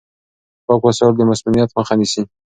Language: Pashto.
پاک وسايل د مسموميت مخه نيسي.